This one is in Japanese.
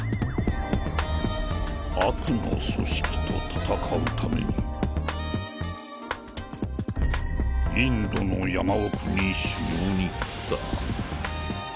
悪の組織と闘うためにインドの山奥に修行に来た？